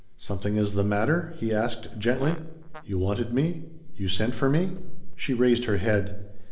"Something is the matter?" he asked gently. "You wanted me? You sent for me?" She raised her head.